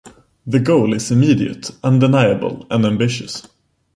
This goal is immediate, undeniable and ambitious